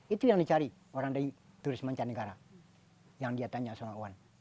itu yang dicari orang dari turis mancanegara yang dia tanya sama wawan